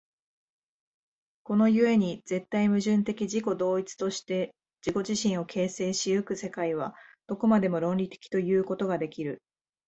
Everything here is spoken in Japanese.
この故に絶対矛盾的自己同一として自己自身を形成し行く世界は、どこまでも論理的ということができる。